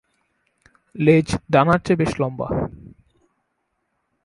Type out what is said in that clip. লেজ ডানার চেয়ে বেশ লম্বা।